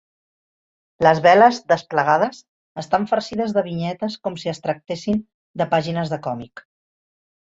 Les veles, desplegades, estan farcides de vinyetes com si es tractessin de pàgines de còmic.